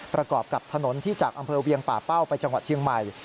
ประกอบกับถนนที่จากอำเภอเวียงป่าเป้าไปจังหวัดเชียงใหม่